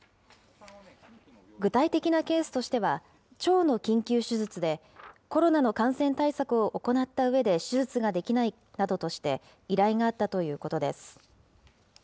具体的なケースとしては、腸の緊急手術で、コロナの感染対策を行ったうえで手術ができないなどとして、依頼があったということです。